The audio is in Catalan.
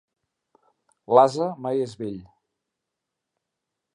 L'ase mai és vell.